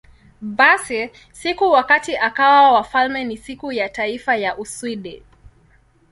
Basi, siku wakati akawa wafalme ni Siku ya Taifa ya Uswidi.